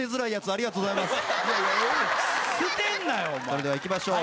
それではいきましょう。